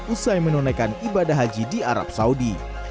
usai menunaikan ibadah haji di arab saudi